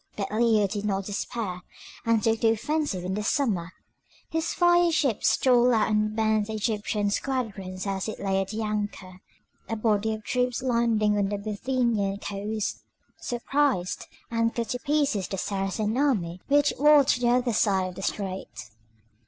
But Leo did not despair, and took the offensive in the summer. His fire ships stole out and burnt the Egyptian squadron as it lay at anchor. A body of troops landing on the Bithynian coast, surprised and cut to pieces the Saracen army which watched the other side of the strait.